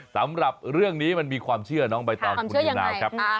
สำหรับเรื่องนี้มันมีความเชื่อน้องใบตองคุณนิวนาวครับ